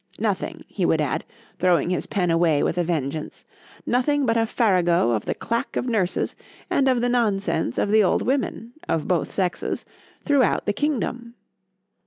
Nothing,—he would add, throwing his pen away with a vengeance,—nothing but a farrago of the clack of nurses, and of the nonsense of the old women (of both sexes) throughout the kingdom.